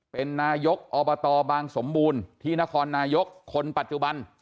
เป็นนายกอบตบางสมบูรณ์ที่นครนายกคนปัจจุบัน